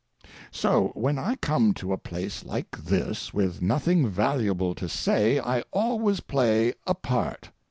So when I come to a place like this with nothing valuable to say I always play a part.